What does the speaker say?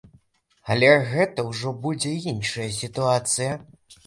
Але гэта ўжо будзе іншая сітуацыя.